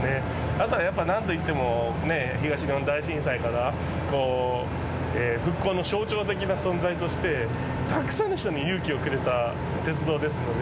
あとはやっぱなんといっても東日本大震災から復興の象徴的な存在としてたくさんの人に勇気をくれた鉄道ですので。